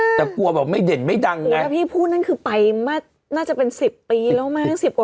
เอิ้อแต่กลัวแบบไม่เด่นไม่ดังแล้วพี่พูดนั้นคือไปไหม